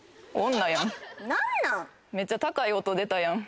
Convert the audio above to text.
めっちゃ高い音出たやん